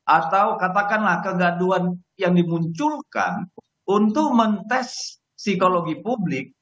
atau katakanlah kegaduan yang dimunculkan untuk mentes psikologi publik